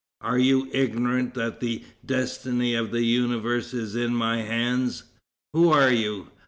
Are you ignorant that the destiny of the universe is in my hands? Who are you?